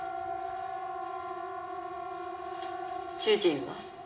主人は？